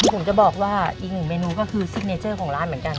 ผมจะบอกว่าอีกหนึ่งเมนูก็คือซิกเนเจอร์ของร้านเหมือนกัน